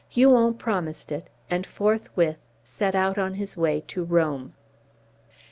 Huon promised it, and forthwith set out on his way to Rome.